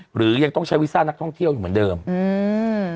หรือยังต้องใช้วีซ่านักท่องเที่ยวอยู่เหมือนเดิมอืม